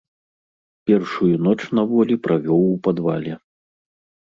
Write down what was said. Першую ноч на волі правёў у падвале.